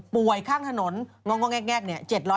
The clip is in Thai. ป่วยข้างถนนงงแง่เนี่ย